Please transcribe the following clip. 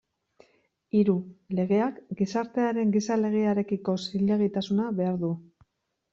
Hiru, legeak gizartearen gizalegearekiko zilegitasuna behar du.